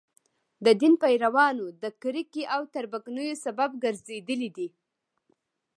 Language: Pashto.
د دین پیروانو د کرکې او تربګنیو سبب ګرځېدلي دي.